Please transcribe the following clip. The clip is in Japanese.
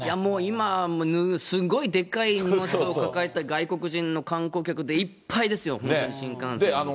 今はすごいでっかい荷物を抱えた外国人の観光客でいっぱいですよ、本当に新幹線。